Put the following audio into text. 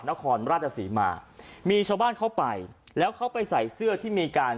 นครราชสีมามีชาวบ้านเข้าไปแล้วเขาไปใส่เสื้อที่มีการ